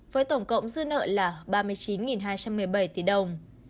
với tổng cộng dư nợ là ba mươi chín hai trăm một mươi bảy tỷ đồng